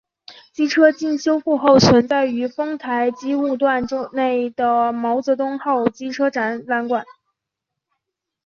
机车经修复后存放于丰台机务段内的毛泽东号机车展览馆。